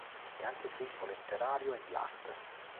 È anche critico letterario e di arte.